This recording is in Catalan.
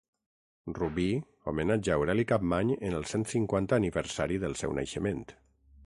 Rubí homenatja Aureli Capmany en el cent cinquanta aniversari del seu naixement.